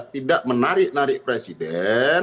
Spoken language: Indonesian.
tidak menarik narik presiden